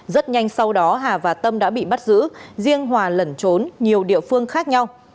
rất nhanh sau đó hà và tâm đã bị bắt giữ riêng hòa lẩn trốn nhiều địa phương khác nhau